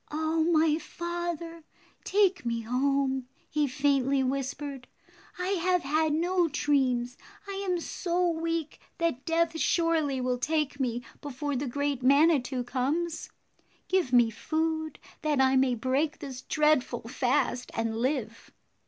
"Oh, my father, take me home," he faintly whispered. "I have had no dreams. I am so weak that death surely will take me before the great Manitou comes. Give me food that I may break this dreadful fast and live."